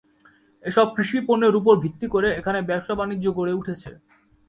এসব কৃষি পণ্যের উপর ভিত্তি করে এখানে ব্যবসা বাণিজ্য গড়ে উঠেছে।